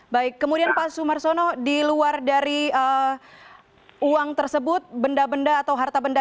baik kemudian pak sumarsono di luar dari uang tersebut benda benda atau harta benda